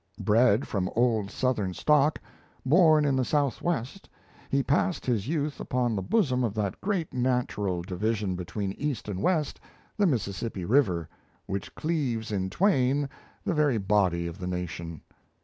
Bred from old Southern stock, born in the Southwest, he passed his youth upon the bosom of that great natural division between East and West, the Mississippi River, which cleaves in twain the very body of the nation.